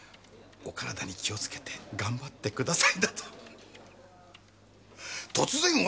「お体に気をつけて頑張ってください」。